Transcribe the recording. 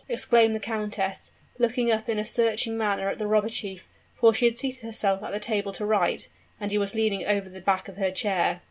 exclaimed the countess, looking up in a searching manner at the robber chief; for she had seated herself at the table to write, and he was leaning over the back of her chair.